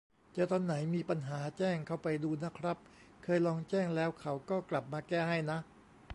เจอตอนไหนมีปัญหา แจ้งเข้าไปดูนะครับ เคยลองแจ้งแล้วเขาก็กลับมาแก้ให้นะ